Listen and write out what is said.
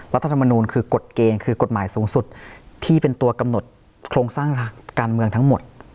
รัฐธรรมนูลคือกฎเกณฑ์คือกฎหมายสูงสุดที่เป็นตัวกำหนดโครงสร้างการเมืองทั้งหมด